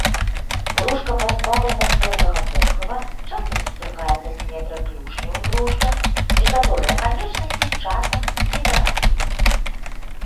Брушка пазбаўлена цвёрдага покрыва, часта сустракаецца асіметрыя клюшняў і брушка, некаторыя канечнасці часам недаразвітыя.